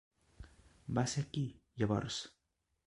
Va ser aquí, llavors?